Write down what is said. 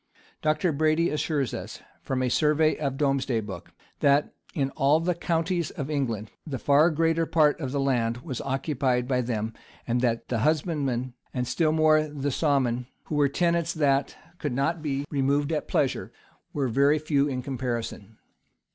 Dr. Brady assures us, from a survey of domesday book,[*] that, in all the counties of England, the far greater part of the land was occupied by them, and that the husbandmen, and still more the socmen, who were tenants that, could not be removed at pleasure, were very few in comparison.